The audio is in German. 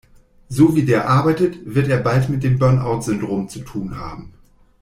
So wie der arbeitet, wird er bald mit dem Burnout-Syndrom zu tun haben.